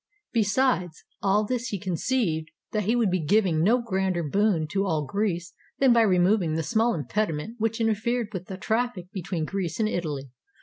Beside all this he conceived that he would be giving no grander boon to all Greece than by removing the small impediment which interfered with the trafl&c between Greece and Italy.